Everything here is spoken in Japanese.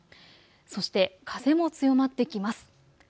そして風も強まってきます。